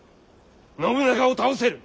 信長を倒せる！